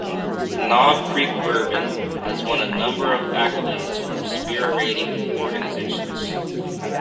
Knob Creek bourbon has won a number of accolades from Spirit ratings organizations.